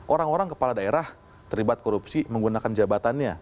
orang orang kepala daerah terlibat korupsi menggunakan jabatannya